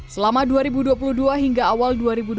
selama dua ribu dua puluh dua hingga awal dua ribu dua puluh